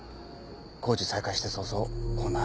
工事再開して早々こんな。